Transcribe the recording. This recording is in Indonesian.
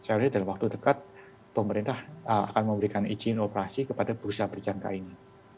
seharusnya dalam waktu dekat pemerintah akan memberikan izin operasi kepada bursa berjangka ini